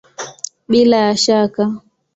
Bila ya shaka!